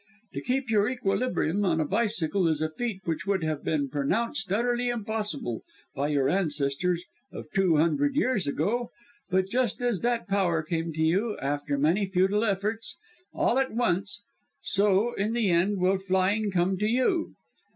To keep your equilibrium on a bicycle is a feat which would have been pronounced utterly impossible by your ancestors of two hundred years ago; but just as that power came to you after many futile efforts, all at once so, in the end, will flying come to you.